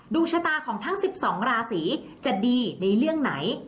ดวงชะตาของทั้ง๑๒ราศีจะดีในเรื่องไหน